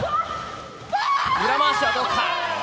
裏回しはどうか？